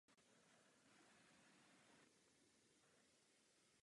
Zde závěť skončila.